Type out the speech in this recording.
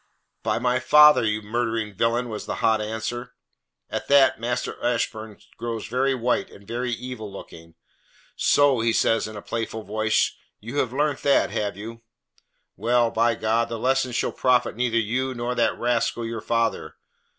"By my father, you murdering villain!" was the hot answer. "At that Master Ashburn grows very white and very evil looking. "So," he says, in a playful voice, "you have learnt that, have you? Well, by God! the lesson shall profit neither you nor that rascal your father.